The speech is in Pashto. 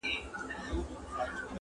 له وړو او له لویانو لاري ورکي-